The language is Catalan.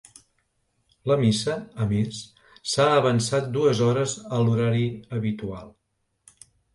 La missa, a més, s’ha avançat dues hores a l’horari habitual.